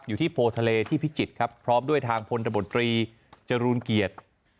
อยู่ที่โพทะเลที่พิจิตรครับพร้อมด้วยทางพลตบตรีจรูนเกียรติ